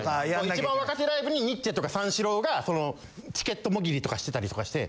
一番若手ライブにニッチェとか三四郎がチケットもぎりとかしてたりとかして。